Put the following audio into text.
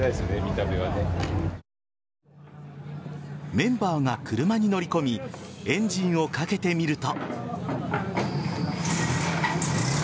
メンバーが車に乗り込みエンジンをかけてみると。